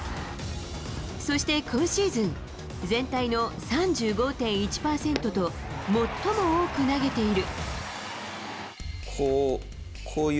そして今シーズン、全体の３５．１％と最も多く投げている。